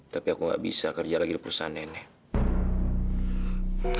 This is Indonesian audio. tapi aku gak bisa kerja lagi di perusahaan nenek